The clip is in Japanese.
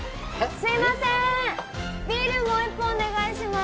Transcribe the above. すいませーんビールもう一本お願いします